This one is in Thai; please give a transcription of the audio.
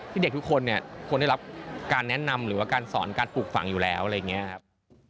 เด็กทุกคนเนี่ยควรได้รับการแนะนำหรือว่าการสอนการปลูกฝังอยู่แล้วอะไรอย่างนี้ครับ